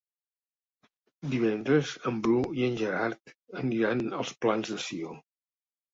Divendres en Bru i en Gerard aniran als Plans de Sió.